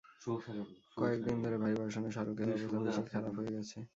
কয়েক দিন ধরে ভারী বর্ষণে সড়কের অবস্থা বেশি খারাপ হয়ে গেছে।